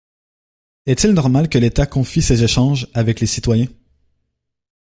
Est-il normal que l’État confie ses échanges avec les citoyens